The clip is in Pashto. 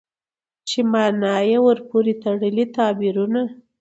چې مانا يې ورپورې تړلي تعبيرونه